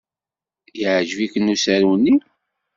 Yeɛjeb-ikem usaru-nni?